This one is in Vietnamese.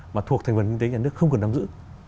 mà thuộc thành phần kinh tế nhà nước không cần nắm giữ